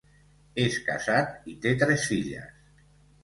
És casat i té tres filles.